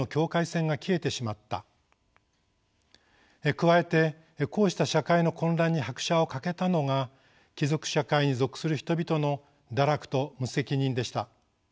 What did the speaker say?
加えてこうした社会の混乱に拍車をかけたのが貴族社会に属する人々の堕落と無責任でした。